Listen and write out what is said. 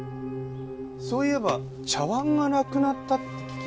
そういえば茶碗がなくなったって聞きましたねえ。